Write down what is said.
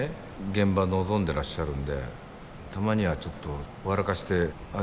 現場臨んでらっしゃるんでたまにはちょっと笑かしてあげるのも必要だし。